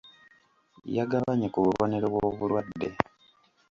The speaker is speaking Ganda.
Yagabanye ku bubonero bw'obulwadde.